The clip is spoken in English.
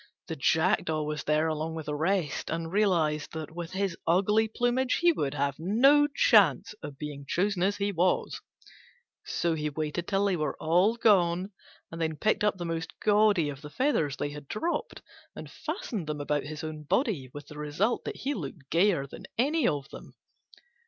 The Jackdaw was there along with the rest, and realised that, with his ugly plumage, he would have no chance of being chosen as he was: so he waited till they were all gone, and then picked up the most gaudy of the feathers they had dropped, and fastened them about his own body, with the result that he looked gayer than any of them.